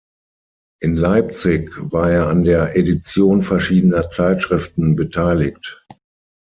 In Leipzig war er an der Edition verschiedener Zeitschriften beteiligt.